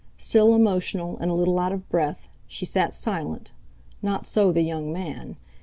Still emotional, and a little out of breath, she sat silent; not so the young man.